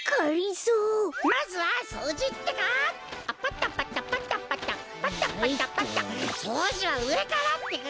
そうじはうえからってか！